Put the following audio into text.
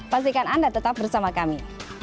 pastikan anda tetap bersama kami